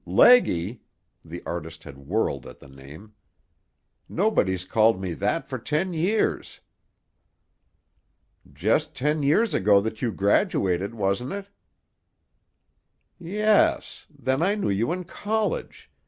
"Leggy!" The artist had whirled at the name. "Nobody's called me that for ten years." "Just ten years ago that you graduated, wasn't it?" "Yes. Then I knew you in college.